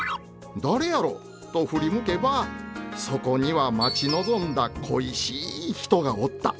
誰やろ？と振り向けばそこには待ち望んだ恋しい人がおった！